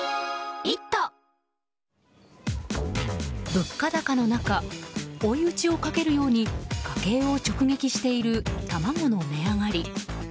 物価高の中追い打ちをかけるように家計を直撃している卵の値上がり。